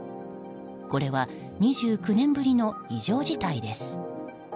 これは２９年ぶりの異常事態です。